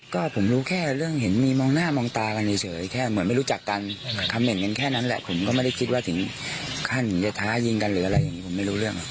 ก็ผมรู้แค่เรื่องเห็นมีมองหน้ามองตากันเฉยแค่เหมือนไม่รู้จักกันคำเห็นกันแค่นั้นแหละผมก็ไม่ได้คิดว่าถึงขั้นจะท้ายิงกันหรืออะไรอย่างนี้ผมไม่รู้เรื่อง